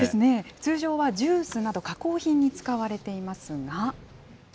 通常はジュースなど加工品に使われていますが。